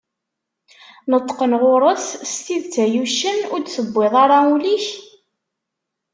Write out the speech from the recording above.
Neṭṭqen γur-s: S tidett ay uccen, ur d-tewwiḍ ara ul-ik?